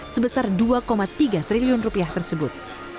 sebesar dua tiga triliun rupiah tersebut